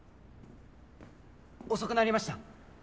遅くなりました。